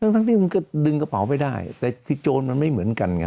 ทั้งที่มันก็ดึงกระเป๋าไปได้แต่ที่โจรมันไม่เหมือนกันไง